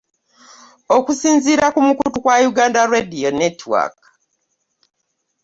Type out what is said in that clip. Okusinziira ku mukutu gwa Uganda Radio Network